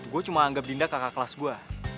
gue cuma anggap dinda kakak kelas gue